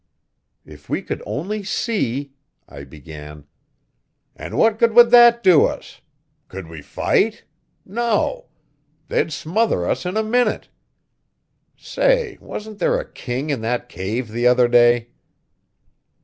"If we could only see " I began. "And what good would that do us? Could we fight? No. They'd smother us in a minute. Say, wasn't there a king in that cave the other day?"